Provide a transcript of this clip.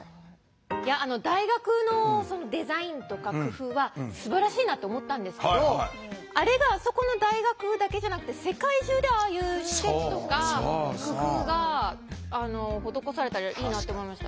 いや大学のデザインとか工夫はすばらしいなと思ったんですけどあれがあそこの大学だけじゃなくて世界中でああいう施設とか工夫が施されたらいいなと思いました。